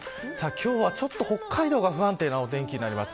今日は北海道が不安定なお天気になります。